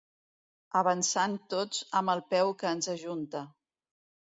Avançant tots amb el peu que ens ajunta.